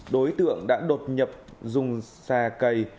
đối tượng đã đột nhập dùng xà cầy